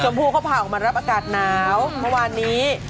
จมพูเขาพาออกมารับอากาศหนาวเพราะวันนี้